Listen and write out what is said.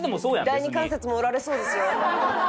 第二関節も折られそうですよ。